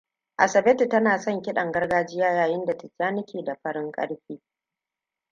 Asabetu tana son kiɗan gargajiya yayin da Tijjani ke da farin ƙarfe.